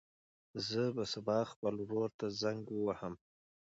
زه به سبا خپل ورور ته زنګ ووهم.